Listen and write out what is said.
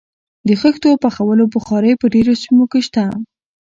د خښتو پخولو بخارۍ په ډیرو سیمو کې شته.